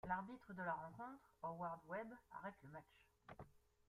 L'arbitre de la rencontre, Howard Webb, arrête le match.